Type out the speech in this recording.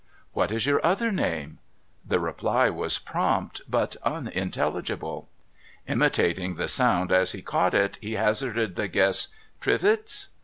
' What is your other name ?' The reply was prompt, but unintelligible. Imitating the sound as he caught it, he hazarded the guess, ' Trivils.'